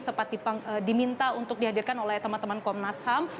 sempat diminta untuk dihadirkan oleh teman teman komnas ham